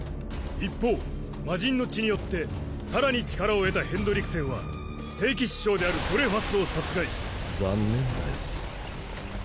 一方魔神の血によって更に力を得たヘンドリクセンは聖騎士長であるドレファスを殺害残念だよ。